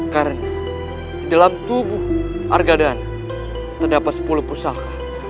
karena dalam tubuh argandana terdapat sepuluh pusaka